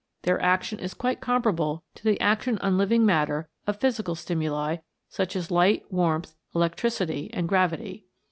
Their action is quite comparable to the action on living matter of physical stimuli, such as light, warmth, elec tricity and gravity.